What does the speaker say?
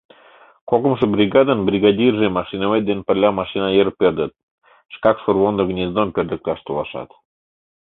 Кокымшо бригадын бригадирже машиновед дене пырля машина йыр пӧрдыт, шкак шорвондо гнездом пӧрдыкташ толашат.